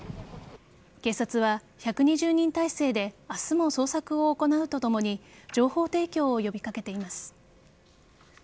警察は、１２０人態勢で明日も捜索を行うとともに情報提供を呼び掛けています。